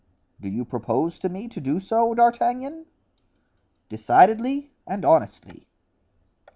"Do you propose to me to do so, D'Artagnan?" "Decidedly and honestly."